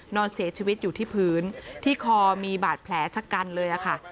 นอนเสียชีวิตอยู่ที่พื้นที่คอมีบาดแผลชะกันเลยค่ะ